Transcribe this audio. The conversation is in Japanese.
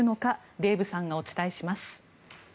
デーブさんがお伝えします。